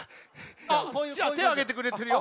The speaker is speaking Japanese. あってあげてくれてるよ。